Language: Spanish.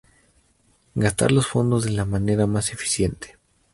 gastar los fondos de la manera más eficiente